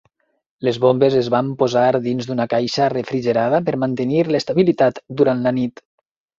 Les bombes es van posar dins d'una caixa refrigerada per mantenir l'estabilitat durant la nit.